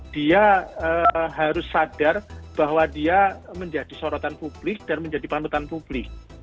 dia harus sadar bahwa dia menjadi sorotan publik dan menjadi panutan publik